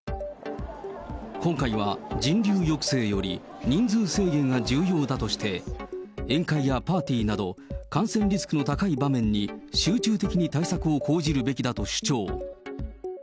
今回は人流抑制より、人数制限が重要だとして、宴会やパーティーなど、感染リスクの高い場面に、集中的に対策を講じるべきだと主張。